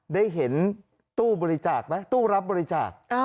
ได้เห็นตู้บริจาคไหมตู้รับบริจาค